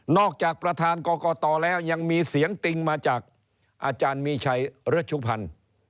จากประธานกรกตแล้วยังมีเสียงติงมาจากอาจารย์มีชัยรัชุพันธ์